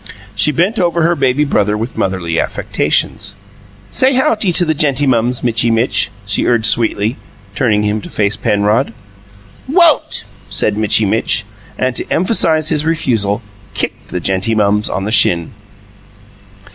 She bent over her baby brother with motherly affectations. "Say 'howdy' to the gentymuns, Mitchy Mitch," she urged sweetly, turning him to face Penrod. "WON'T!" said Mitchy Mitch, and, to emphasize his refusal, kicked the gentymuns upon the shin.